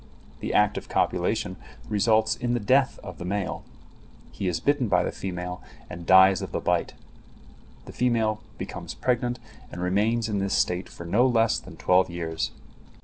The act of copulation results in the death of the male. He is bitten by the female and dies of the bite. The female becomes pregnant and remains in this state for no less than twelve years.